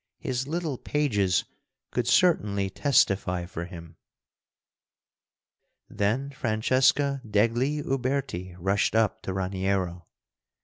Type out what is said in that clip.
His little pages could certainly testify for him." Then Francesca degli Uberti rushed up to Raniero.